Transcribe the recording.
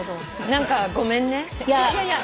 何かごめんね。